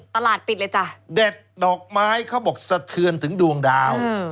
ตลาดปิดเลยจ้ะเด็ดดอกไม้เขาบอกสะเทือนถึงดวงดาว